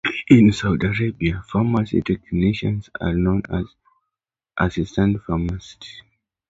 In Saudi Arabia, Pharmacy Technicians are known as Assistant Pharmacist.